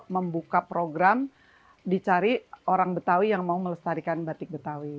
membuka program dicari orang betawi yang mau melestarikan batik betawi